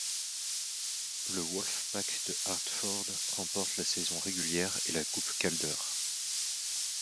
Le Wolf Pack de Hartford remportent la saison régulière et la coupe Calder.